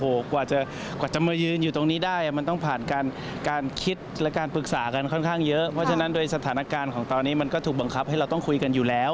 โอ้โหกว่าจะกว่าจะมายืนอยู่ตรงนี้ได้มันต้องผ่านการคิดและการปรึกษากันค่อนข้างเยอะเพราะฉะนั้นโดยสถานการณ์ของตอนนี้มันก็ถูกบังคับให้เราต้องคุยกันอยู่แล้ว